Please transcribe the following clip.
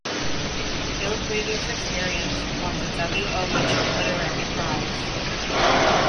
"No Previous Experience" won the W. O. Mitchell Literary Prize.